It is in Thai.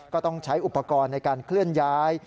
ก็ต้องใช้อุปกรณ์ในการเคลื่อนย้าย